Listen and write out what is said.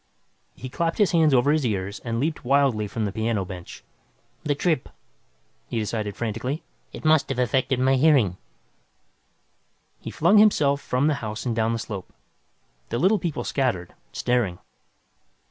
He clapped his hands over his ears and leaped wildly from the piano bench. The trip, he decided frantically. It must have affected my hearing. He flung himself from the house and down the slope. The Little People scattered, staring.